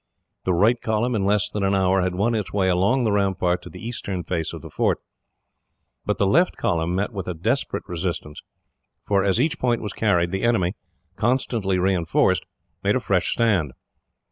The right column, in less than an hour, had won its way along the rampart to the eastern face of the fort; but the left column met with a desperate resistance, for as each point was carried, the enemy, constantly reinforced, made a fresh stand.